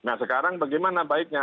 nah sekarang bagaimana baiknya